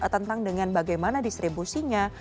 tentang dengan bagaimana distribusinya